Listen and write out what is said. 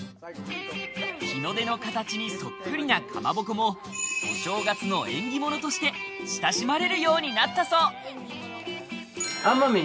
日の出の形にそっくりなかまぼこもお正月の縁起物として親しまれるようになったそう。